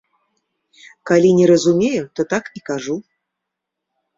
Калі не разумею, то так і кажу.